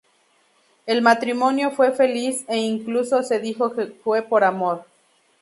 El matrimonio fue feliz e incluso se dijo que fue por amor.